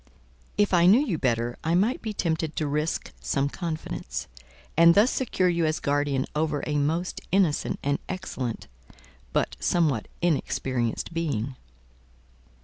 "If I knew you better, I might be tempted to risk some confidence, and thus secure you as guardian over a most innocent and excellent, but somewhat inexperienced being."